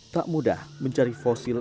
tak mudah mencari fosil